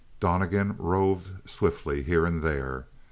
Donnegan roved swiftly here and there.